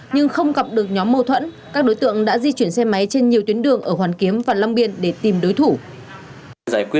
nhưng không gặp được nhóm mâu thuẫn các đối tượng đã di chuyển xe máy trên nhiều tuyến đường ở hoàn kiếm và long biên để tìm đối thủ